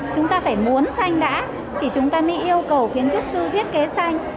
chúng ta phải muốn xanh đã thì chúng ta mới yêu cầu kiến trúc sư thiết kế xanh